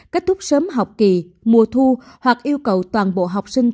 kết thúc sớm học kỳ mùa thu hoặc yêu cầu toàn bộ học sinh